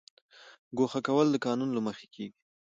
ګوښه کول د قانون له مخې کیږي